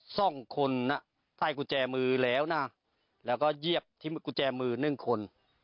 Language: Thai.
สองคนน่ะใต้กุญแจมือแล้วนะแล้วก็เยียบที่กุญแจมือหนึ่งคน